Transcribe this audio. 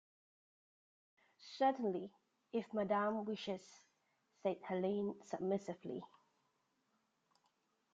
"Certainly, if madame wishes," said Helene submissively.